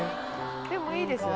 でもいいですよね